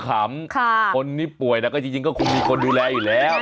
คนที่ป่วยนะก็จริงก็คงมีคนดูแลอยู่แล้ว